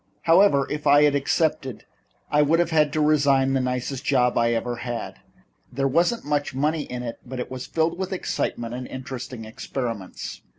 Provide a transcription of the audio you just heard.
However, if I had accepted I would have had to resign the nicest job I ever had. There wasn't much money in it, but it was filled with excitement and interesting experiments.